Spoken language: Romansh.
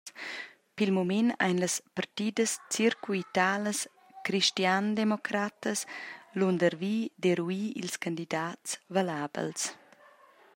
Pil mument ein las partidas circuitalas cristiandemocratas lundervi d’eruir ils candidats valabels.